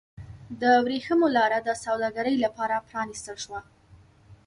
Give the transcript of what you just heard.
د ورېښمو لاره د سوداګرۍ لپاره پرانیستل شوه.